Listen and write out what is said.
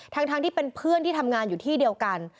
ทั้งที่เป็นเพื่อนที่ทำงานอยู่ที่เดียวกัน